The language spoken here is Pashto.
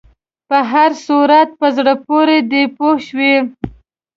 په هر صورت په زړه پورې دی پوه شوې!.